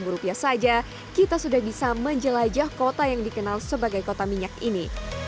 rp lima saja kita sudah bisa menjelajah kota yang dikenal sebagai kota minyak ini